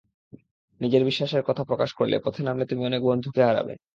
নিজের বিশ্বাসের কথা প্রকাশ করলে, পথে নামলে তুমি অনেক বন্ধুকে হারাবে।